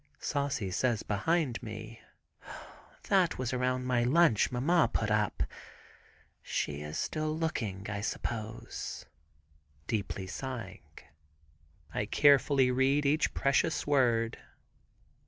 Saucy says behind me, "That was around my lunch mamma put up. She is still looking, I suppose," deeply sighing. I carefully read each precious word.